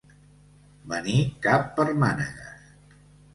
Venir cap per mànegues.